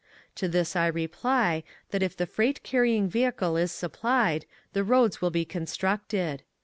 To this I reply, that if the freight carrying vehicle is supplied, the roads will be con structed.